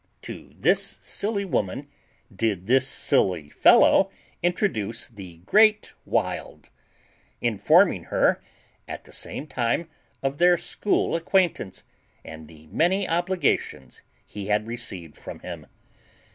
To this silly woman did this silly fellow introduce the GREAT WILD, informing her at the same time of their school acquaintance and the many obligations he had received from him.